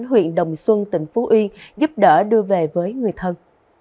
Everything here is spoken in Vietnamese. huyện đồng xuân tỉnh phú yên giúp đỡ đưa về với người thân